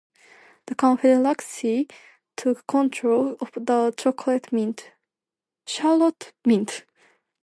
The Confederacy took control of the Charlotte Mint.